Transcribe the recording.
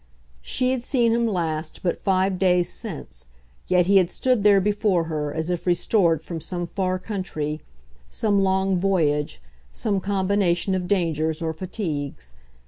She had seen him last but five days since, yet he had stood there before her as if restored from some far country, some long voyage, some combination of dangers or fatigues.